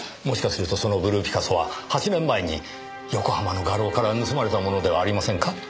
もしかするとそのブルーピカソは８年前に横浜の画廊から盗まれたものではありませんか？